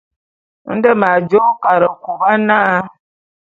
Nde m'ajô Karekôba na.